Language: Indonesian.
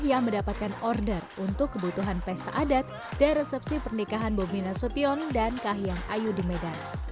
yang mendapatkan order untuk kebutuhan pesta adat dan resepsi pernikahan bobi nasution dan kahiyang ayu di medan